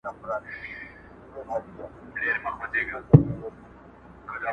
o له ژرندي زه راځم، د مزد حال ئې ته لرې٫